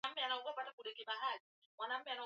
umoja wa afrika imesimamisha uanachama wa Sudan